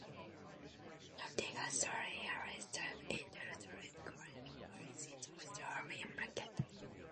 Noritake Australia also distributes industrial grinding wheels in the Australian market.